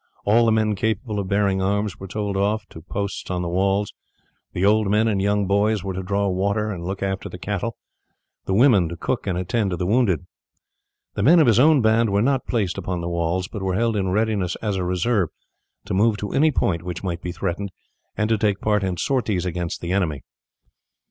All the men capable of bearing arms were told off to posts on the walls. The old men and young boys were to draw water and look after the cattle; the women to cook and attend to the wounded. The men of his own band were not placed upon the walls, but were held in readiness as a reserve to move to any point which might be threatened, and to take part in sorties against the enemy.